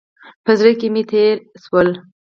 په زړه کې مې تېر شول.